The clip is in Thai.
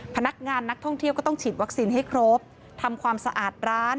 พนักงานนักท่องเที่ยวก็ต้องฉีดวัคซีนให้ครบทำความสะอาดร้าน